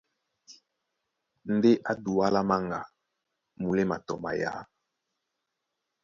Ndé ǎ Dualá Manga, muléma tɔ mayǎ.